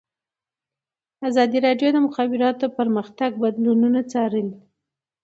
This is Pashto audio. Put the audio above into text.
ازادي راډیو د د مخابراتو پرمختګ بدلونونه څارلي.